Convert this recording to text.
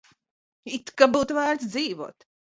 It kā būtu vērts dzīvot.